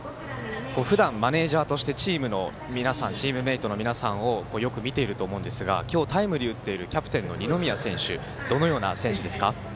ふだん、マネージャーとしてチームメートの皆さんをよく見ていると思うんですが今日タイムリーを打っているキャプテンの二宮選手、どのような選手ですか。